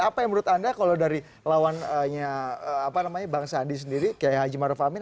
apa yang menurut anda kalau dari lawannya bangsa andi sendiri kayak haji maruf amin